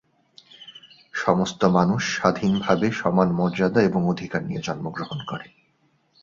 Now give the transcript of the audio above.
সমস্ত মানুষ স্বাধীনভাবে সমান মর্যাদা এবং অধিকার নিয়ে জন্মগ্রহণ করে।